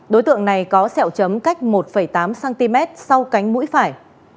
đối tượng này có sẹo chấm cách một tám cm sau cánh mũi phải